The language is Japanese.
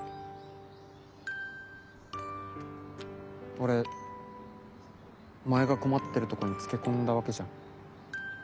俺お前が困ってるとこにつけ込んだわけじゃん。